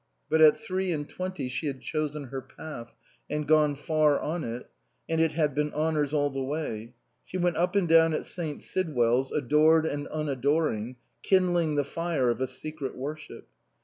But at three and twenty she had chosen her path, and gone far on it, and it had been honours all the way. She went up and down at St. Sidwell's, adored and un adoring, kindling the fire of a secret worship.